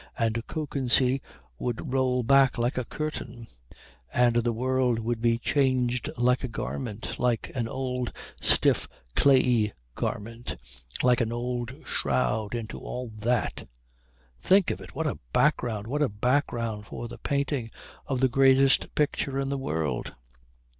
And Kökensee would roll back like a curtain, and the world be changed like a garment, like an old stiff clayey garment, like an old shroud, into all that. Think of it! What a background, what a background for the painting of the greatest picture in the world!"